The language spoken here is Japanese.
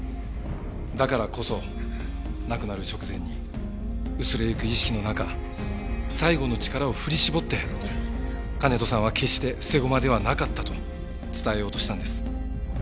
だからこそ亡くなる直前に薄れゆく意識の中最後の力を振り絞って金戸さんは決して捨て駒ではなかったと伝えようとしたんです。